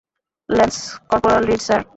Lance corporal Reid, sir.